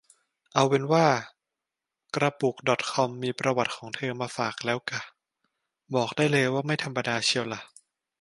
เอาเป็นว่ากระปุกดอทคอมมีประวัติของเธอมาฝากกันแล้วค่ะ บอกได้เลยว่าไม่ธรรมดาเชียวล่ะ